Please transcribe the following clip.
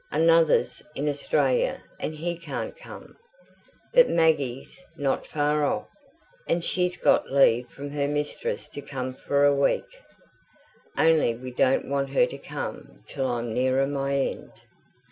Another's in Australia, and he can't come. But Maggie's not far off, and she's got leave from her mistress to come for a week only we don't want her to come till I'm nearer my end.